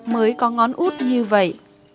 mới có ngón út như vậy